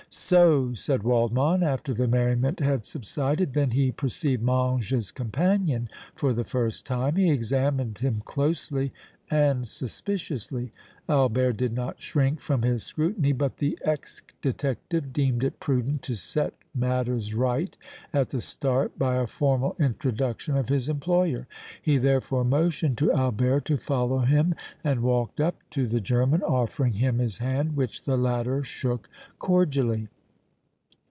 "So!" said Waldmann, after the merriment had subsided. Then he perceived Mange's companion for the first time. He examined him closely and suspiciously. Albert did not shrink from his scrutiny, but the ex detective deemed it prudent to set matters right at the start by a formal introduction of his employer; he, therefore, motioned to Albert to follow him and walked up to the German, offering him his hand, which the latter shook cordially.